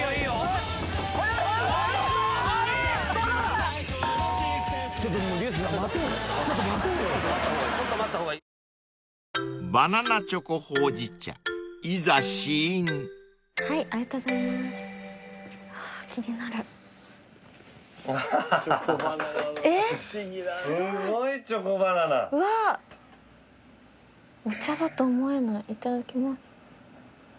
いただきます。